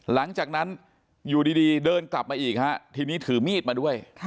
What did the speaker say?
หลังจากนั้นอยู่ดีเดินกลับมาอีกฮะทีนี้ถือมีดมาด้วย